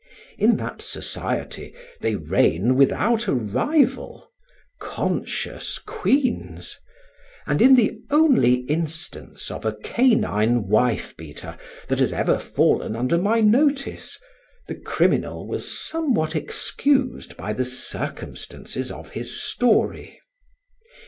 In that society they reign without a rival: conscious queens; and in the only instance of a canine wife beater that has ever fallen under my notice, the criminal was somewhat excused by the circumstances of his story.